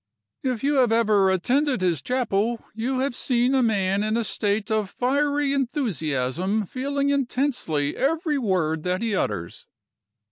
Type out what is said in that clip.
If you have ever attended his chapel, you have seen a man in a state of fiery enthusiasm, feeling intensely every word that he utters.